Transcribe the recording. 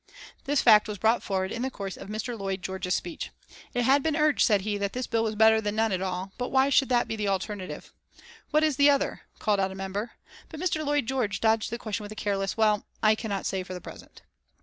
This fact was brought forward in the course of Mr. Lloyd George's speech. It had been urged, said he, that this bill was better than none at all, but why should that be the alternative? "What is the other?" called out a member, but Mr. Lloyd George dodged the question with a careless "Well, I cannot say for the present."